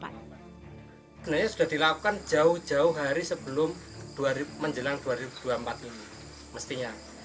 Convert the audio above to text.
sebenarnya sudah dilakukan jauh jauh hari sebelum menjelang dua ribu dua puluh empat ini mestinya